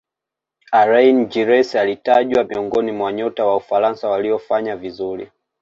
alaine giresse alitajwa miongoni wa nyota wa ufaransa waliofanya vizuri